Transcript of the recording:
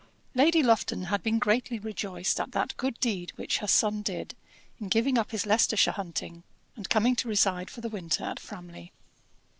Lady Lufton had been greatly rejoiced at that good deed which her son did in giving up his Leicestershire hunting, and coming to reside for the winter at Framley.